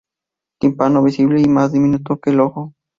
Tímpano visible y más diminuto que el ojo.